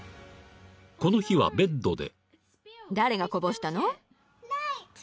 ［この日はベッドで］